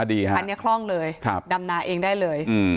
อันนี้คล่องเลยดำนาเองได้เลย